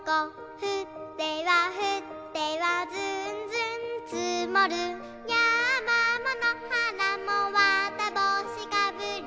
「ふってはふってはずんずんつもる」「やまものはらもわたぼうしかぶり」